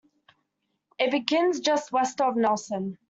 It begins just west of Nelson.